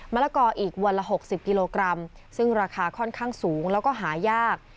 ละกออีกวันละ๖๐กิโลกรัมซึ่งราคาค่อนข้างสูงแล้วก็หายาก